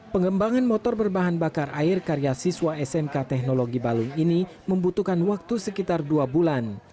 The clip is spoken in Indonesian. pengembangan motor berbahan bakar air karya siswa smk teknologi balu ini membutuhkan waktu sekitar dua bulan